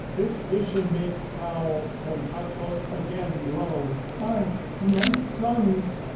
This vision made Frau von Hartrott again groan, "Ay, my sons!"